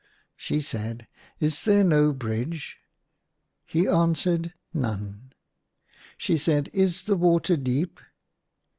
She said, *' Is there no bridge ?" He answered. " None." She said, " Is the water deep